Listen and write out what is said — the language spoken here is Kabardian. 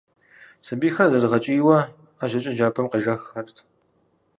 Сэбийхэр зэрыгъэкӏийуэ ӏэжьэкӏэ джабэм къежэххэрт.